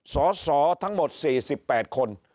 สสทั้งหมด๔๘คน